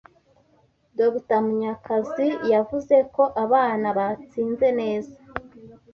Dr Munyakazi yavuze ko abana batsinze neza